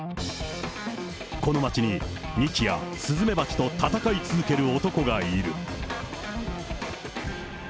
この街に日夜、スズメバチと戦い続ける男がいる。